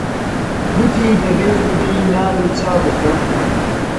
گوتی: دەبێ سبەی نان و چا بخۆن.